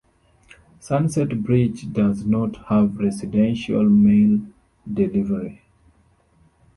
Sunset Beach does not have residential mail delivery.